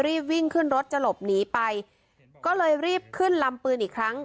รีบวิ่งขึ้นรถจะหลบหนีไปก็เลยรีบขึ้นลำปืนอีกครั้ง